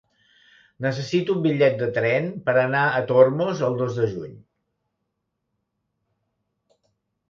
Necessito un bitllet de tren per anar a Tormos el dos de juny.